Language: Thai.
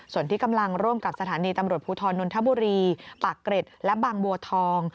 ส่วนที่กำลังร่วมกับสถานีตำรวจภูทรนนทบุรีปากเกร็ดและบางบัวทอง